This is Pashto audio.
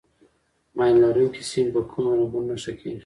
ماین لرونکي سیمې په کومو رنګونو نښه کېږي.